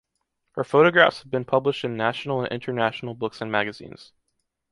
Her photographs have been published in national and international books and magazines.